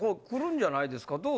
来るんじゃないですか。